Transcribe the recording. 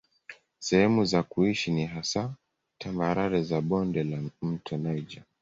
Sehemu za kusini ni hasa tambarare za bonde la mto Niger.